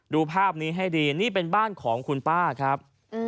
ดูภาพนี้ให้ดีนี่เป็นบ้านของคุณป้าครับ